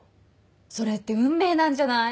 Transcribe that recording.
それって運命なんじゃない？